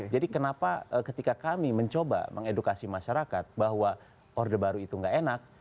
jadi kenapa ketika kami mencoba mengedukasi masyarakat bahwa order baru itu tidak enak